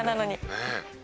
「ねえ」